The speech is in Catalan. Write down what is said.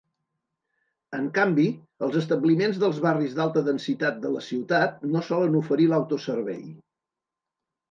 En canvi, els establiments dels barris d'alta densitat de la ciutat no solen oferir l'autoservei.